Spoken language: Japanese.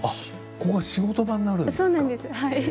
ここが仕事場なんですね。